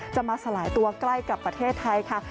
จะมาสลายตัวใกล้กับประเทศไทยค่ะ